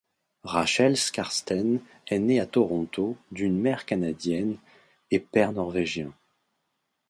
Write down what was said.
Rachel Skarsten est née à Toronto d'une mère canadienne et père norvégien.